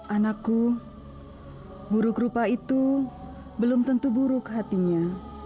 anakku buruk rupa itu belum tentu buruk hatinya